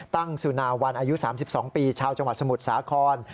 สุนาวันอายุ๓๒ปีชาวจังหวัดสมุทรสาคร